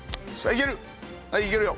いけるよ。